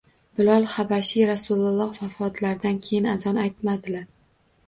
Bilol habashiy Rasululloh vafotlaridan keyin azon aytolmadilar